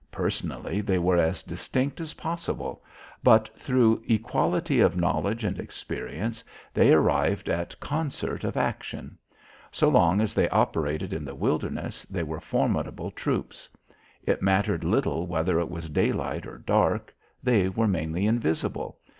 Personally they were as distinct as possible, but through equality of knowledge and experience, they arrived at concert of action. So long as they operated in the wilderness, they were formidable troops. It mattered little whether it was daylight or dark; they were mainly invisible.